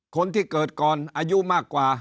คนที่เกิดก่อนอายุมากกว่า